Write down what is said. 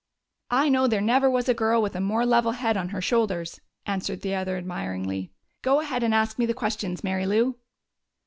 "I know there never was a girl with a more level head on her shoulders!" answered the other admiringly. "Go ahead and ask me the questions, Mary Lou."